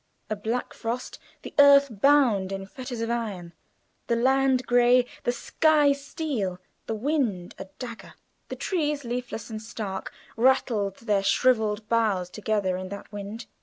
A black frost. The earth bound in fetters of iron. The land gray; the sky steel; the wind a dagger. The trees, leafless and stark, rattled their shriveled boughs together in that wind.